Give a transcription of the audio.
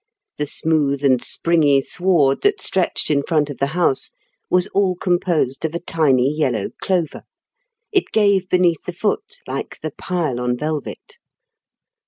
The smooth and springy sward that stretched in front of the house was all composed of a tiny yellow clover. It gave beneath the foot like the pile on velvet.